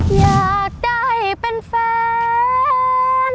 อยากได้เป็นแฟน